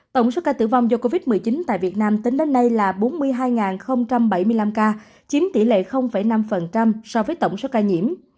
tổng số ca tử vong do covid một mươi chín tại việt nam tính đến nay là bốn mươi hai bảy mươi năm ca chiếm tỷ lệ năm so với tổng số ca nhiễm